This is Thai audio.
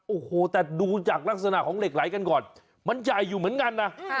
โอ้โหแต่ดูจากลักษณะของเหล็กไหลกันก่อนมันใหญ่อยู่เหมือนกันนะ